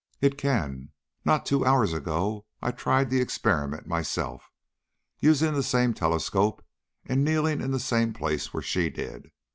"It can. Not two hours ago I tried the experiment myself, using the same telescope and kneeling in the same place where she did.